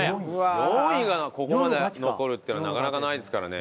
４位がここまで残るっていうのはなかなかないですからね。